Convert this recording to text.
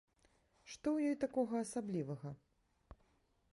Што ў ёй такога асаблівага?